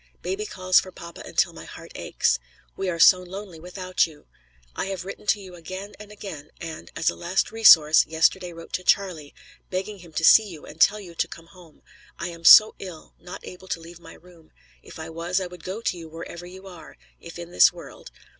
Baby calls for papa until my heart aches. We are so lonely without you. I have written to you again and again, and, as a last resource, yesterday wrote to Charlie, begging him to see you and tell you to come home. I am so ill, not able to leave my room; if I was, I would go to you wherever you were, if in this world.